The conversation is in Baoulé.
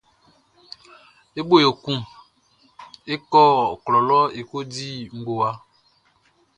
E bo yo kun e kɔ klɔ lɔ e ko di ngowa.